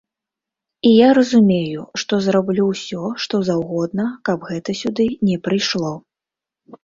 І я разумею, што зраблю ўсё, што заўгодна, каб гэта сюды не прыйшло.